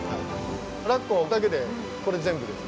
ラッコだけでこれ全部です。